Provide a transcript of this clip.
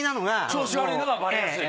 調子悪いのがバレやすい。